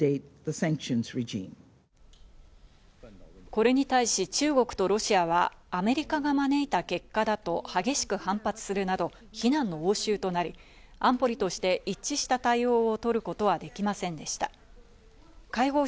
これに対し中国とロシアはアメリカが招いた結果だと激しく反発するなど非難の応酬となり、安保理として一致した対応を取ることはできませんでした。